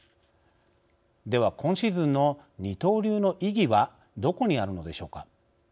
では今シーズンの二刀流の意義はどこにあるのでしょうか。